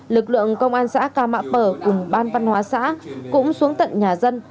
lực lượng công an xã ca mạp bờ cùng ban văn hóa xã cũng xuống tận nhà dân